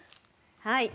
はい。